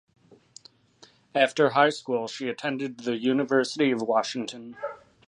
After high school she attended the University of Washington.